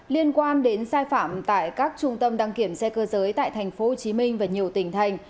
liên quan đến sai phạm tại các trung tâm đăng kiểm xe cơ giới tại tp hcm và nhiều tỉnh thành